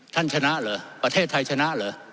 ชนะเหรอประเทศไทยชนะเหรอ